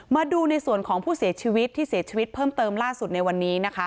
มาดูในส่วนของผู้เสียชีวิตที่เสียชีวิตเพิ่มเติมล่าสุดในวันนี้นะคะ